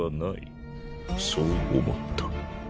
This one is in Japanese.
そう思った。